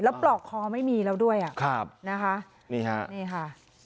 ปลอกคอไม่มีแล้วด้วยอ่ะครับนะคะนี่ฮะนี่ค่ะ